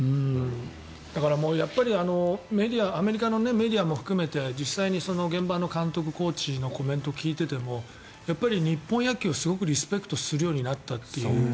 だからアメリカのメディアも含めて実際に現場の監督、コーチのコメントを聞いていてもやっぱり日本野球をすごくリスペクトするようになったという。